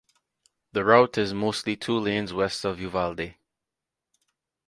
The route is mostly two lanes west of Uvalde.